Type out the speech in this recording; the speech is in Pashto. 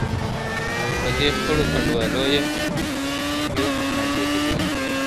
په دې خړو کنډوالو یو نازېدلي ..